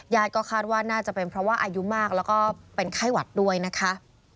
ก็คาดว่าน่าจะเป็นเพราะว่าอายุมากแล้วก็เป็นไข้หวัดด้วยนะคะ